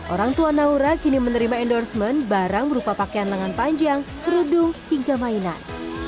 orang tua naura kini menerima endorsement barang berupa pakaian lengan panjang kerudung hingga mainan